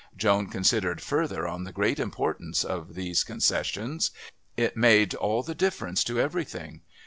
Joan considered further on the great importance of these concessions; it made all the difference to everything.